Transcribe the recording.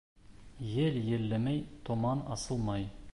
Ел елләмәй, томан асылмай.